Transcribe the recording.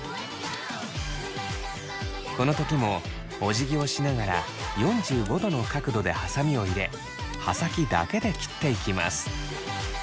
この時もおじぎをしながら４５度の角度ではさみを入れ刃先だけで切っていきます。